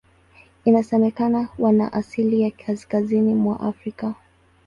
Inasemekana wana asili ya Kaskazini mwa Afrika.